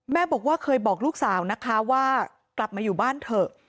แม่บอกว่าเคยบอกลูกสาวนะคะว่ากลับมาอยู่บ้านเถอะ